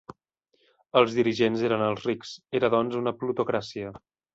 Els dirigents eren els rics, era doncs una plutocràcia.